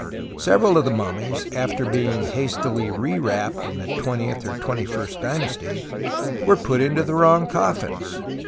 Several of the mummies after being hastily rewrapped (in the twentieth or twenty first dynasty) were put into the wrong coffins.